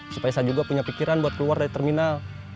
supaya saya juga punya pikiran buat keluar dari terminal